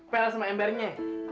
pel sama embernya